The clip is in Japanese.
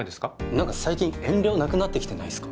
何か最近遠慮なくなってきてないすか？